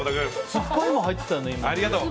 酸っぱいの入ってたよね？